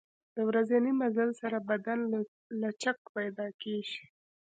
د ورځني مزل سره بدن لچک پیدا کېږي.